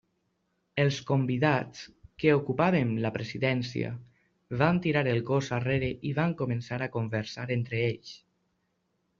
Els convidats, que ocupaven la presidència, van tirar el cos arrere i van començar a conversar entre ells.